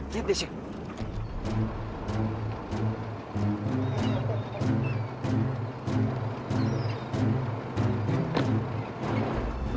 lihat di sini